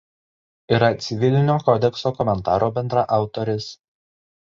Yra Civilinio kodekso komentaro bendraautoris.